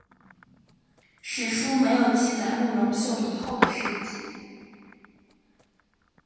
史书没有记载慕容秀以后的事迹。